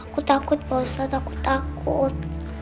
aku takut pak ustadz aku takut